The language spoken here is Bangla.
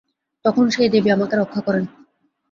তখন সেই দেবী আমাকে রক্ষা করেন।